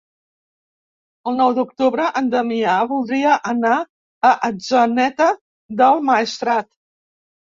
El nou d'octubre en Damià voldria anar a Atzeneta del Maestrat.